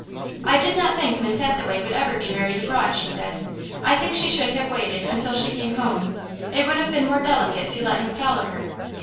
"I did not think Miss Hathaway would ever be married abroad," she said. "I think she should have waited until she came home. It would have been more delicate to let him follow her.